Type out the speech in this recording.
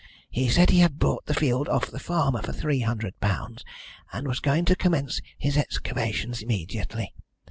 He said he had bought the field off the farmer for £300, and was going to commence his excavations immediately.